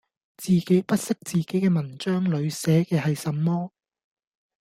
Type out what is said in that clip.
自己不悉自己嘅文章裡寫嘅係什麼